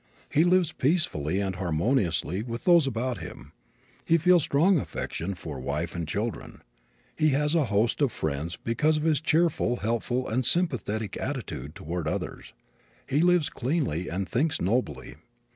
He lives peacefully and harmoniously with those about him. He feels strong affection for wife and children. He has a host of friends because of his cheerful, helpful and sympathetic attitude toward others. He lives cleanly and thinks nobly.